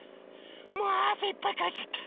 もうあせいっぱいかいちゃった。